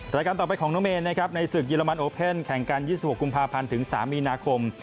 รายการต่อไปของน้องเมในศึกเยอรมันโอเป็นแข่งการ๒๖กุมภาพันธุ์ถึง๓มีนาคม